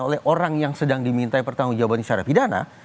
oleh orang yang sedang diminta pertanggung jawaban secara pidana